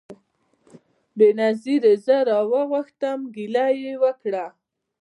بېنظیري زه راوغوښتم ګیله یې وکړه